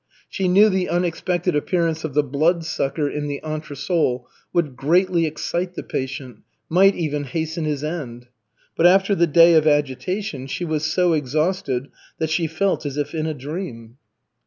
She knew the unexpected appearance of the Bloodsucker in the entresol would greatly excite the patient, might even hasten his end. But after the day of agitation, she was so exhausted that she felt as if in a dream.